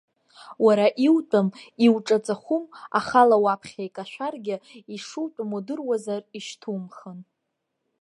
Уара иутәым, иуҿаҵахәым, ахала уаԥхьа икашәаргьы, ишутәым удыруазар, ишьҭумхын.